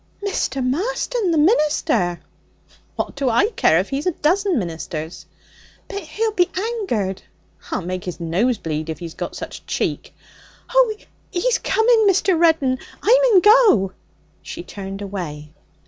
'Mr. Marston, the minister.' 'What do I care if he's a dozen ministers?' 'But he'll be angered.' 'I'll make his nose bleed if he's got such cheek.' 'Oh, he's coming, Mr. Reddin! I mun go.' She turned away.